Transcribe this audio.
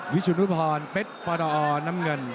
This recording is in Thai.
วิชุนุภรเป็ดประดออร์น้ำเงิน